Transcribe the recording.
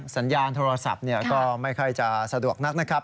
สัญญาณโทรศัพท์ก็ไม่ค่อยจะสะดวกนักนะครับ